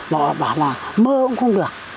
bà bảo là mơ cũng không được